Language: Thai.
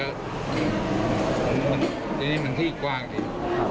ทีนี้มันที่กว้างดี